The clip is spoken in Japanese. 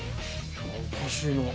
いやおかしいな。